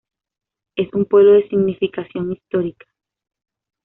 Es un pueblo de significación histórica.